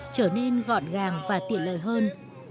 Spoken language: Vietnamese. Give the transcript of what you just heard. trở nên gọn gàng và tiện lợi hơn